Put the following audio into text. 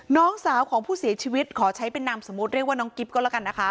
น้องสาวของผู้เสียชีวิตขอใช้เป็นนามสมมุติเรียกว่าน้องกิ๊บก็แล้วกันนะคะ